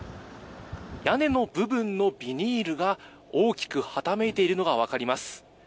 屋根の部分のビニールが大きくはためいているのが分かります。